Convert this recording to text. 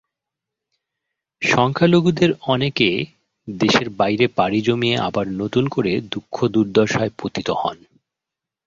সংখ্যালঘুদের অনেকে দেশের বাইরে পাড়ি জমিয়ে আবার নতুন করে দুঃখ-দুর্দশায় পতিত হন।